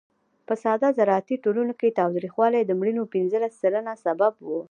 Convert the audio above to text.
په ساده زراعتي ټولنو کې تاوتریخوالی د مړینو پینځلس سلنه سبب و.